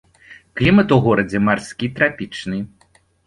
Клімат у горадзе марскі трапічны.